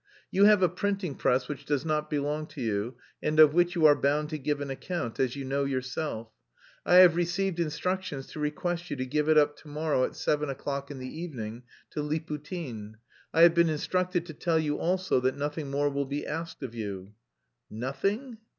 You have a printing press which does not belong to you, and of which you are bound to give an account, as you know yourself. I have received instructions to request you to give it up to morrow at seven o'clock in the evening to Liputin. I have been instructed to tell you also that nothing more will be asked of you." "Nothing?"